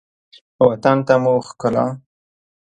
وطن ته مو ښکلا